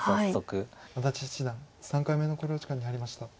安達七段３回目の考慮時間に入りました。